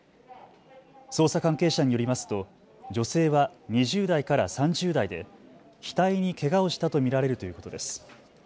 捜査関係者によりますと女性は２０代から３０代で額にけがをしたと見られるということです。